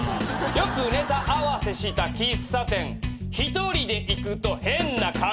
よくネタ合わせした喫茶店１人で行くと変な感じ。